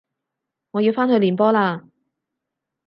我要返去練波喇